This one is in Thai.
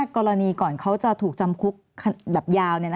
กรณีก่อนเขาจะถูกจำคุกดับยาว